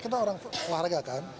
kita orang pelaraga kan